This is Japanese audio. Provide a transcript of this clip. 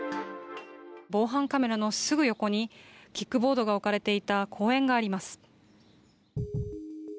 防犯カメラのすぐ横にキックボードが置かれていた公園があります。